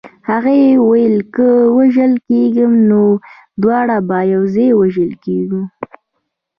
هغې ویل که وژل کېږو نو دواړه به یو ځای وژل کېږو